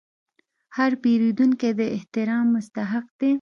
هر پیرودونکی د احترام مستحق دی.